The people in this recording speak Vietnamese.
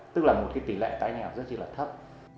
tức là một cái tỷ lệ tái nghèo rất là thấp